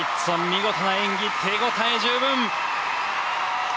見事な演技手応え十分。